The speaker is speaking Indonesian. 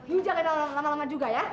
yuk jangan lama lama juga ya